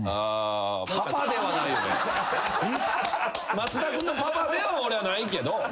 松田君のパパでは俺はないけど。